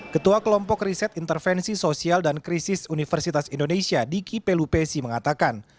ketua kelompok riset intervensi sosial dan krisis universitas indonesia diki pelupesi mengatakan